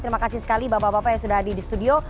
terima kasih sekali bapak bapak yang sudah hadir di studio